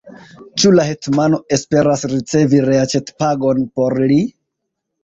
Ĉu la hetmano esperas ricevi reaĉetpagon por li?